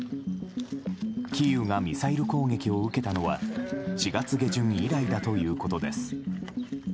キーウがミサイル攻撃を受けたのは４月下旬以来だということです。